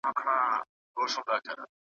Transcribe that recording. تولید سوي توکي باید د کیفیت معیارونه پوره کړي.